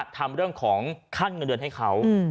ทำเรื่องของขั้นเงินเดือนให้เขา